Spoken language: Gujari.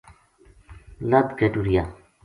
لد کے ٹُریا